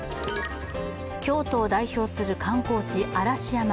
京都を代表する観光地、嵐山。